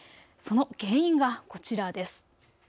その原因がこちらです。